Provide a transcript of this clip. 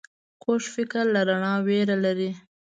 کوږ فکر له رڼا ویره لري